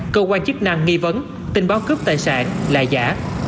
cơ quan chức năng nghi vấn tình báo cướp tài sản là giả